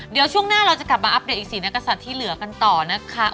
เดี๋ยวช่วงหน้าเราจะกลับมาอัปเดตอีก๔นักศัตริย์ที่เหลือกันต่อนะคะ